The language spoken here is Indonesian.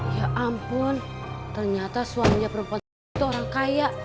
ya ampun ternyata suaminya perempuan sendiri itu orang kaya